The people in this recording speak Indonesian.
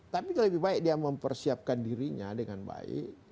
tapi lebih baik dia mempersiapkan dirinya dengan baik